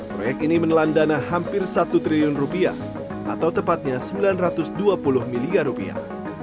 proyek ini menelan dana hampir satu triliun rupiah atau tepatnya sembilan ratus dua puluh miliar rupiah